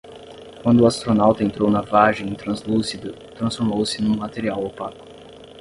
Quando o astronauta entrou na vagem translúcida, transformou-se num material opaco.